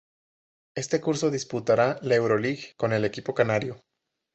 Este curso disputará la Euroleague con el equipo canario.